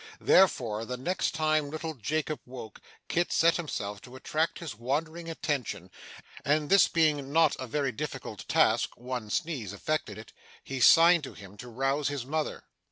Therefore, the next time little Jacob woke, Kit set himself to attract his wandering attention, and this not being a very difficult task (one sneeze effected it), he signed to him to rouse his mother.